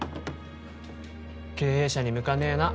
経営者に向かねえな。